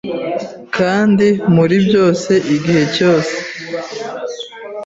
kandi muri byose igihe cyose